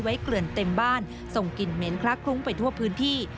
เกลื่อนเต็มบ้านส่งกลิ่นเหม็นคลักคลุ้งไปทั่วพื้นที่